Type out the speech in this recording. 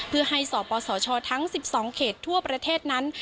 เพื่อให้สปสชทั้ง๑๒เขตทั่วประเทศนั้น